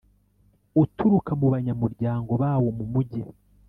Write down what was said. uturuka mu banyamuryango bawo mu mujyi